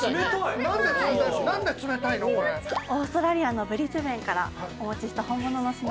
オーストラリアのブリスベンからお持ちした本物の砂でございます。